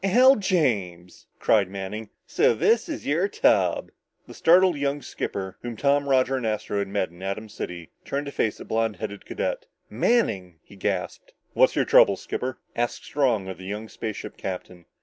"Al James!" cried Manning. "So this is your tub?" The startled young skipper, whom Tom, Roger and Astro had met in Atom City, turned to face the blond headed cadet. "Manning!" he gasped. "What's your trouble, skipper?" asked Strong of the young spaceship captain.